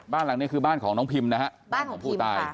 บ้านหลังนี้คือบ้านของน้องพิมนะฮะบ้านของผู้ตาย